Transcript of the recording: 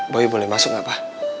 boy boleh masuk nggak pak